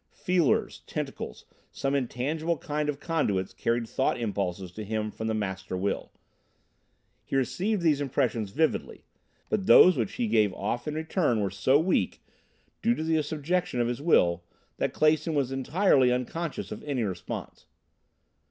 Feelers, tentacles, some intangible kind of conduits carried thought impulses to him from the Master Will. He received these impressions vividly, but those which he gave off in return were so weak, due to the subjection of his will, that Clason was entirely unconscious of any response.